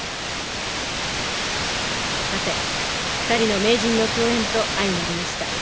さて２人の名人の競演と相成りました。